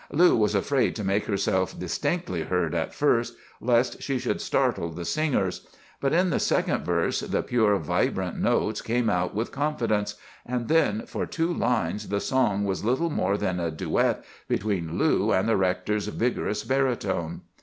Lou was afraid to make herself distinctly heard at first, lest she should startle the singers; but in the second verse the pure vibrant notes came out with confidence, and then for two lines the song was little more than a duet between Lou and the rector's vigorous baritone.